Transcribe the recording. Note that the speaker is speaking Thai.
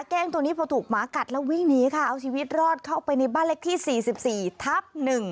้งตัวนี้พอถูกหมากัดแล้ววิ่งหนีค่ะเอาชีวิตรอดเข้าไปในบ้านเลขที่๔๔ทับ๑